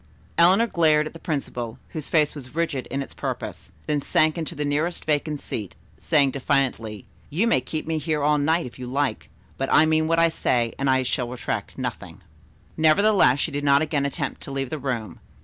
Eleanor glared at the principal, whose face was rigid in its purpose, then sank into the nearest vacant seat, saying defiantly: "You may keep me here all night if you like, but, I meant what I said, and I shall retract nothing." Nevertheless she did not again attempt to leave the room.